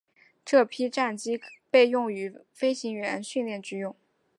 这批战机被用于飞行员训练之用。